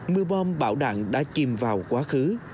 mưa bom bão đạn đã chìm vào quá khứ